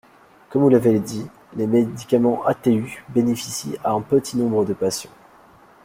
Comme vous l’avez dit, les médicaments ATU bénéficient à un petit nombre de patients.